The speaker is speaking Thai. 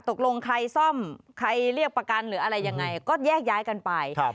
ตกลงใครซ่อมใครเรียกประกันหรืออะไรยังไงก็แยกย้ายกันไป